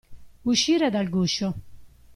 Uscire dal guscio.